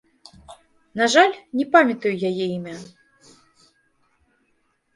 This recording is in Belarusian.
На жаль, не памятаю яе імя.